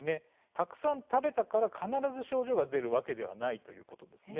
たくさん食べたから必ず症状が出るわけではないということです。